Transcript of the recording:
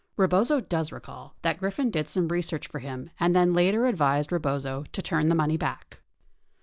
Rebozo does recall that Griffin did some re search for him and then later advised Rebozo to turn the money back.